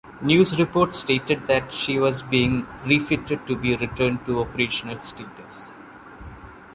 News reports stated that she was being refitted to be returned to operational status.